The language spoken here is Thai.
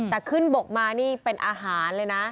แต่ขึ้นบกมานี่เป็นอาหารเลยนะ